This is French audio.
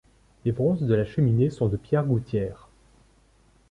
Les bronzes de la cheminée sont de Pierre Gouthière.